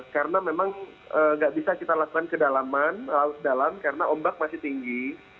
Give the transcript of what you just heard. karena memang nggak bisa kita lakukan kedalaman laut dalam karena ombak masih tinggi